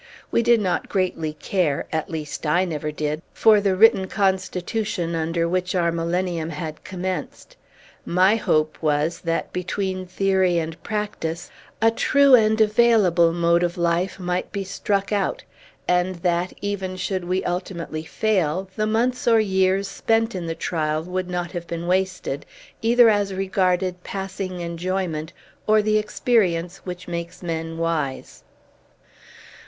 We did not greatly care at least, I never did for the written constitution under which our millennium had commenced. My hope was, that, between theory and practice, a true and available mode of life might be struck out; and that, even should we ultimately fail, the months or years spent in the trial would not have been wasted, either as regarded passing enjoyment, or the experience which makes men wise.